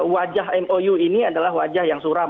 wajah mou ini adalah wajah yang suram